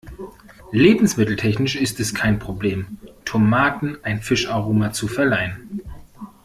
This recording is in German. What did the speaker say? Lebensmitteltechnisch ist es kein Problem, Tomaten ein Fischaroma zu verleihen.